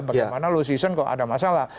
bagaimana low season kok ada masalah